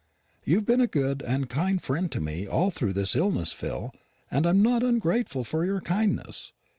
You've been a good and kind friend to me all through this illness, Phil, and I'm not ungrateful for your kindness.